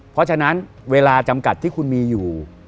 เพราะฉะนั้นเวลาจำกัดที่คุณมีอยู่